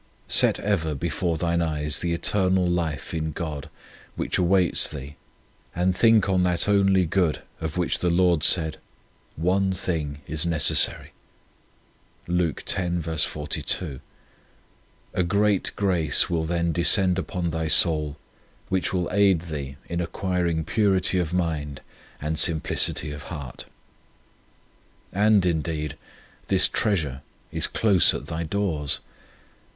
Set ever before thine eyes the eternal life in God, which awaits thee, and think on that only good of which the Lord said :" One thing is necessary." 2 A great grace will then descend upon thy soul, which will aid thee in acquiring purity of mind and simplicity of heart. And, indeed, this treasure is close at thy doors.